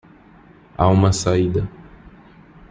Há uma saída.